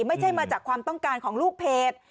ไม่ใช่มาจากความต้องการของลูกเพจ